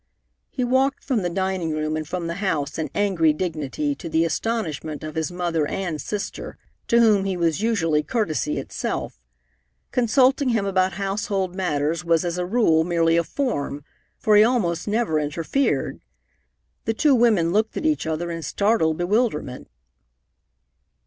He walked from the dining room and from the house in angry dignity, to the astonishment of his mother and sister, to whom he was usually courtesy itself. Consulting him about household matters was as a rule merely a form, for he almost never interfered. The two women looked at each other in startled bewilderment.